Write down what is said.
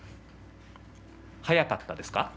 早かったですか？